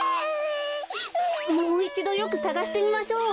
もういちどよくさがしてみましょう。